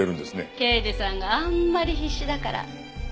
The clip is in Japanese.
刑事さんがあんまり必死だからサービス。